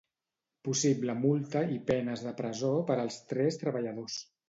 Possible multa i penes de presó per als tres treballadors.